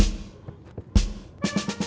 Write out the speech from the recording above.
ada apa pak kantip